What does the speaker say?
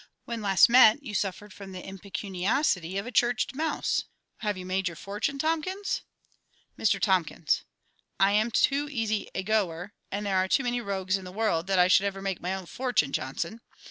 When last met, you suffered from the impecuniosity of a churched mouse. Have you made your fortune, TOMKINS? Mr Tomkins. I am too easy a goer, and there are too many rogues in the world, that I should ever make my own fortune, JOHNSON!